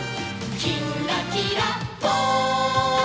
「きんらきらぽん」